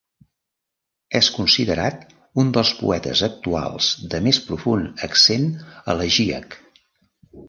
És considerat un dels poetes actuals de més profund accent elegíac.